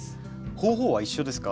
方法は一緒ですか？